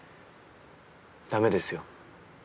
ダメですよ。